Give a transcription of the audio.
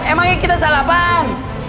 emangnya kita salah pan